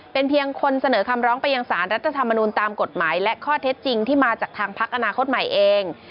เป็นเพียงคนเสนอคำร้องไปยังสารรัฐธรรมนูลตามกฎหมายและข้อเท็จจริงที่มาจากทางพักอนาคตใหม่เอง